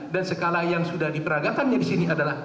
dan segala yang sudah diperagakannya di sini adalah